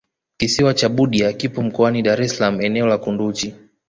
kisiwa cha budya kipo mkoani dar es salaam eneo la kunduchi